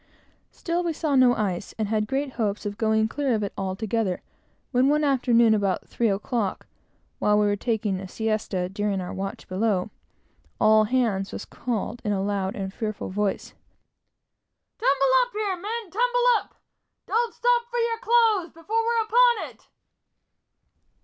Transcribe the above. Still, we saw no ice, and had great hopes of going clear of it altogether, when, one afternoon, about three o'clock, while we were taking a siesta during our watch below, "All hands!" was called in a loud and fearful voice. "Tumble up here, men! tumble up! don't stop for your clothes before we're upon it!"